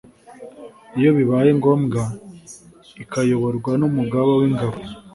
Iyobibaye ngombwa ikayoborwa n’Umugaba w’Ingabo